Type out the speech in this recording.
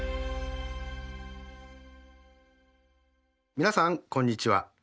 皆さんこんにちは。